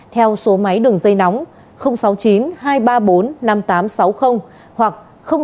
theo số máy đường dây nóng sáu mươi chín hai trăm ba mươi bốn năm nghìn tám trăm sáu mươi hoặc sáu mươi chín hai trăm ba mươi hai một nghìn sáu trăm